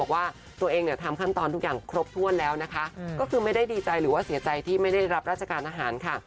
ว่าตัวเองเนี่ยทำขั้นตอนทุกอย่างครบถ้วนแล้วนะคะก็คือไม่ได้ดีใจหรือว่าเสียใจที่ไม่ได้รับราชการทหารค่ะ